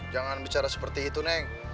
jangan bicara seperti itu neng